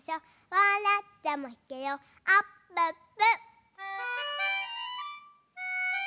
「わらったらまけよあっぷっぷ！」